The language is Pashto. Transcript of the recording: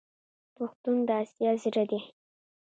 پښتون د اسیا زړه دی.